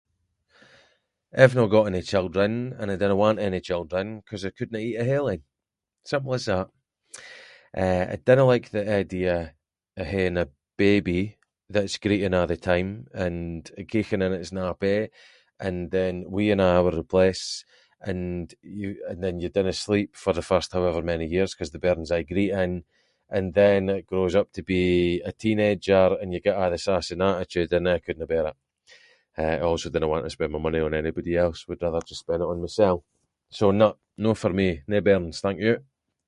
I’ve no got any children and I dinna want any children, ‘cause I couldnae eat a whole ain. Simple as that. Eh, I dinna like the idea, of haeing a baby, that’s greeting a’ the time, and keeching in its nappy, and then weeing a’ over the place, and you- and then you dinna sleep for the first however many years, ‘cause the bairn’s aie greeting, and then it grows up to be a teenager and you get a’ the sass and attitude and I couldnae bear it. Eh, I also dinna want to spend my money on anybody else, would rather just spend it on myself. So nah, no for me, no bairns thank you.